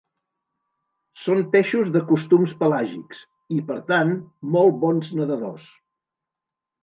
Són peixos de costums pelàgics i, per tant, molt bons nedadors.